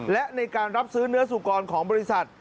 และในการรับซื้อเนื้อสุกรของบริษัท